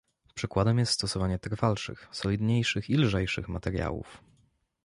Przykładem jest stosowanie trwalszych, solidniejszych i lżejszych materiałów